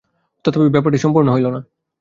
তথাপি ব্যাপারটি সম্পূর্ণ হইল না।